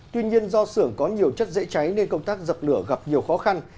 tuy nhiên do xưởng có nhiều chất dễ cháy nên công tác dập lửa gặp nhiều khó khăn